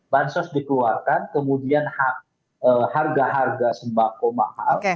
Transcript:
bansos dikeluarkan kemudian harga harga sembako mahal